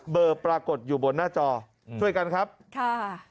ปรากฏอยู่บนหน้าจอช่วยกันครับค่ะ